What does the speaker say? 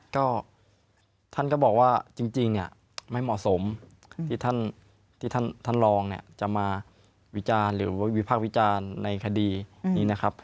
ก็ท่านก็บอกว่าจริงไม่เหมาะสมที่ท่านรองเนี่ยจะมาวิจารณ์หรือวิพากษ์วิจารณ์ในคดีนี้นะครับ